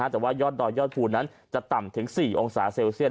แต่ว่ายอดดอยยอดภูนั้นจะต่ำถึง๔องศาเซลเซียต